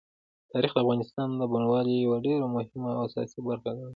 تاریخ د افغانستان د بڼوالۍ یوه ډېره مهمه او اساسي برخه ګڼل کېږي.